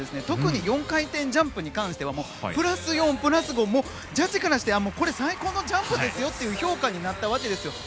特に４回転ジャンプに関してはプラス４、プラス５ジャッジからしてこれ最高のジャンプですよという評価になったわけです。